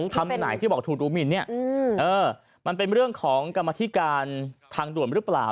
คำไหนที่บอกถูกดูหมินเนี่ยเออมันเป็นเรื่องของกรรมธิการทางด่วนหรือเปล่า